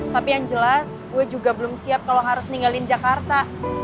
tapi yang jelas gue juga belum siap kalau harus ninggalin jakarta